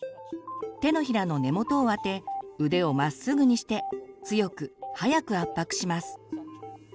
手のひらの根元を当て腕をまっすぐにして強く早く圧迫します。